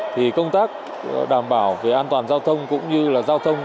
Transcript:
thì công tác đảm bảo về an toàn giao thông cũng như là giao thông